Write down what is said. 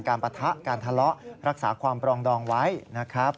ปะทะการทะเลาะรักษาความปรองดองไว้นะครับ